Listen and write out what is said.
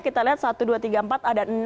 kita lihat satu dua tiga empat ada enam